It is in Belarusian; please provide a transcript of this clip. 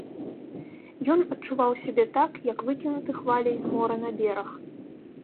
Ён адчуваў сябе так, як выкінуты хваляй з мора на бераг.